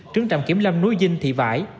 trứng trạm kiểm lâm núi vinh thị vãi